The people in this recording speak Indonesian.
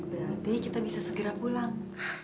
berarti kita bisa segera pulang